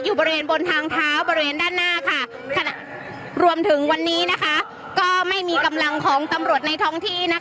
อยู่บริเวณบนทางเท้าบริเวณด้านหน้าค่ะขณะรวมถึงวันนี้นะคะก็ไม่มีกำลังของตำรวจในท้องที่นะคะ